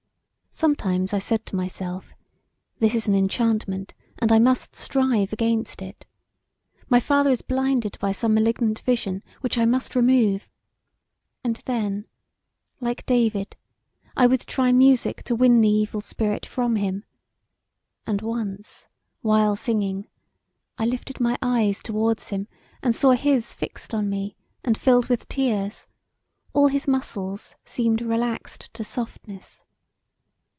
[C] Sometimes I said to myself, this is an enchantment, and I must strive against it. My father is blinded by some malignant vision which I must remove. And then, like David, I would try music to win the evil spirit from him; and once while singing I lifted my eyes towards him and saw his fixed on me and filled with tears; all his muscles seemed relaxed to softness.